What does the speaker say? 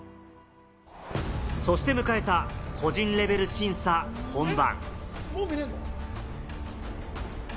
そして迎えた個人レベル審査本番。